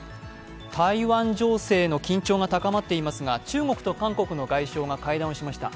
台湾情勢の緊張が高まっていますが中国と韓国の外相が会談をしました。